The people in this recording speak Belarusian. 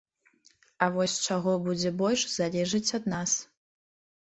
А вось чаго будзе больш, залежыць ад нас.